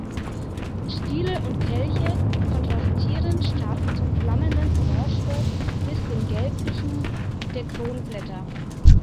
Stiele und Kelche kontrastieren stark zum flammenden Orangerot bis dem Gelblichem der Kronblätter.